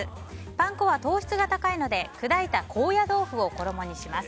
パン粉は糖質が高いので砕いた高野豆腐を衣にします。